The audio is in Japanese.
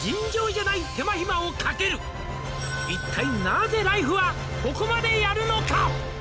「一体なぜライフはここまでやるのか？」